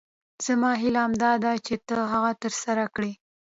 زما هیله همدا ده چې ته هغه تر سره کړې.